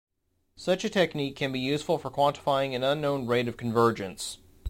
Such a technique can be useful for quantifying an unknown rate of convergence.